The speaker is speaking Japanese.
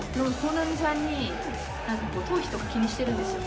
なんか頭皮とか気にしてるんですよ。